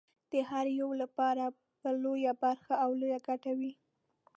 د هر یوه لپاره به لویه برخه او لویه ګټه وي.